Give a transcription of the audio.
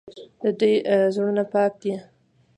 د دوی زړونه پاک دي.